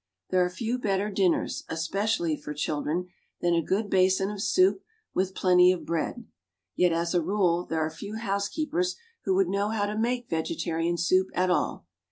There are few better dinners especially for children than a good basin of soup, with plenty of bread; yet, as a rule, there are few housekeepers who would know how to make vegetarian soup at all.